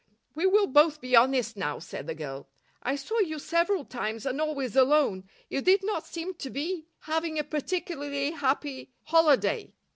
"We will both be honest now," said the girl. "I saw you several times, and always alone. You did not seem to be having a particularly happy holiday.